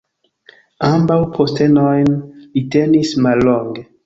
Ambaŭ postenojn li tenis mallonge.